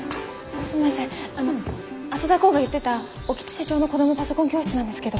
あの浅田航が言ってた興津社長の子どもパソコン教室なんですけど。